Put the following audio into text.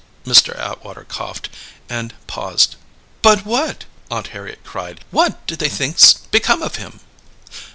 Mr. Atwater coughed, and paused. "But what," Aunt Harriet cried; "what do they think's become of him?"